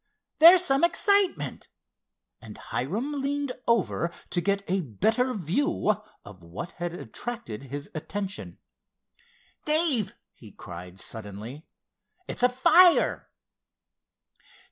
There's some excitement!" and Hiram leaned over to get a better view of what had attracted his attention. "Dave," he cried suddenly, "it's a fire!"